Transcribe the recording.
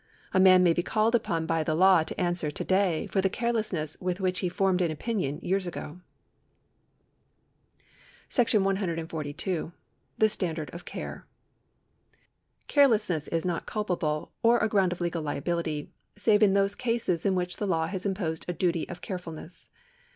A man may be called upon by the law to answer to day for the carelessness with which he formed an opinion years ago. § 142. The Standard of Care. Carelessness is not culpable, or a ground of legal liability, save in those cases in which the law has imposed a duty of carefulness.